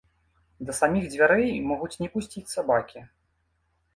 Да саміх дзвярэй могуць не пусціць сабакі.